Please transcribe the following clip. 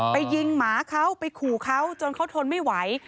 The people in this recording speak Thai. ไปยิงหมาเขาไปขู่เขาจนเขาทนไม่ไหว